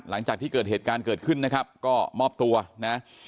หลังจากที่เกิดเหตุการณ์เกิดขึ้นนะครับก็มอบตัวนะ